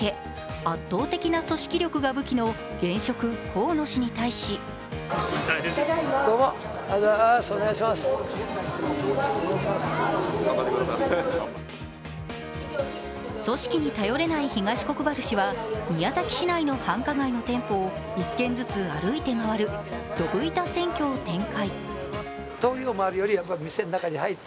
圧倒的な組織力が武器の現職、河野氏に対し組織に頼れない東国原氏は、宮崎市内の繁華街の店舗を１軒ずつ歩いて回るどぶ板選挙を展開。